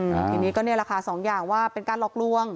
ทีนี้ก็นี่แหละค่ะสองอย่างว่าเป็นการหลอกลวง